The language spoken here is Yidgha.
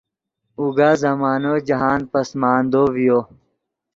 اوگا زمانو جاہند پسماندو ڤیو